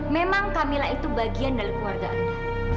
memang camillah itu bagian dari keluarga anda